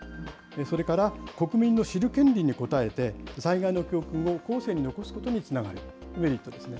それから国民の知る権利に応えて、災害の教訓を後世に残すことにつながるというメリットですね。